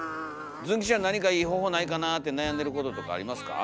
ズン吉は何かいい方法ないかなって悩んでることとかありますか？